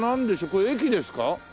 これ駅ですか？